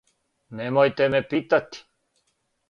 Немојте ме питати.